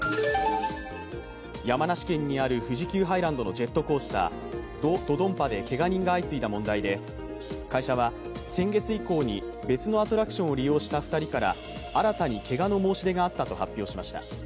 山梨県にある富士急ハイランドのジェットコースター、ド・ドドンパでけが人が相次いだ問題で会社は先月以降に別のアトラクションを利用した２人から新たにけがの申し出があったと発表しました。